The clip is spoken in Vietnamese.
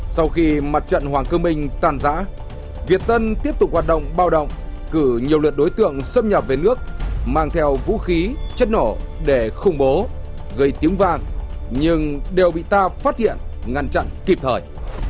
sau khi mặt trận hoàng cơ minh tàn giã việt tân tiếp tục hoạt động bao động cử nhiều lượt đối tượng xâm nhập về nước mang theo vũ khí chất nổ để khủng bố gây tiếng vang nhưng đều bị ta phát hiện ngăn chặn kịp thời